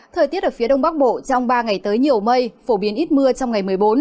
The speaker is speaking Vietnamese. thời tiết ở phía đông bắc bộ trong ba ngày tới nhiều mây phổ biến ít mưa trong ngày một mươi bốn